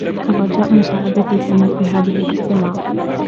الرجاء مساعدتي في ملء هذه الإستمارة.